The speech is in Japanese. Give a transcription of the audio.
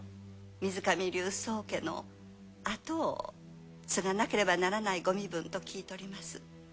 水上流宗家の跡を継がなければならないご身分と聞いております。